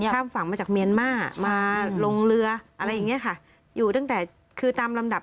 ข้ามฝั่งมาจากเมียนมาร์มาลงเรืออะไรอย่างเงี้ยค่ะอยู่ตั้งแต่คือตามลำดับ